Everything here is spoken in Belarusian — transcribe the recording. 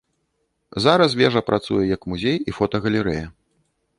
Зараз вежа працуе як музей і фотагалерэя.